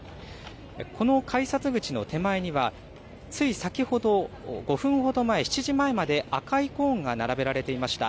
この改札口の手前には、つい先ほど５分ほど前、７時前まで、赤いコーンが並べられていました。